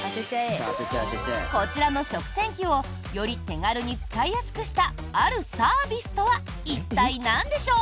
こちらの食洗機をより手軽に使いやすくしたあるサービスとは一体なんでしょう？